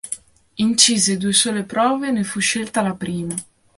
Incise due sole prove e ne fu scelta la prima.